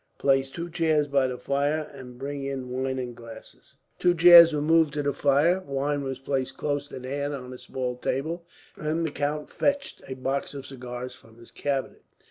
Place two chairs by the fire, and bring in wine and glasses." Two chairs were moved to the fire. Wine was placed close at hand on a small table, and the count fetched a box of cigars from his cabinet.